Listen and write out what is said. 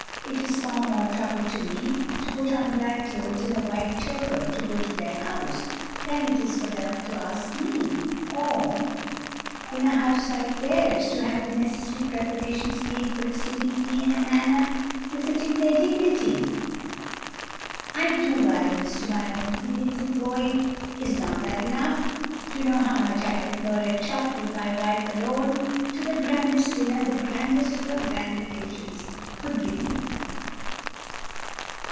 It is far more trouble to me to put on black clothes and a white choker and go to their house, than it is for them to ask me, or, in a house like theirs, to have the necessary preparations made for receiving me in a manner befitting their dignity. I do violence to my own feelings in going: is not that enough? You know how much I prefer a chop with my wife alone to the grandest dinner the grandest of her grand relations could give me."